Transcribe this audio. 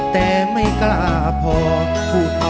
แต่ไม่กล้าพอพูดค่ะไว้